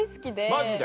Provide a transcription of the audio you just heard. マジで？